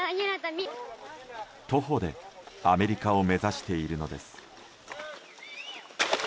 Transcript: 徒歩でアメリカを目指しているのです。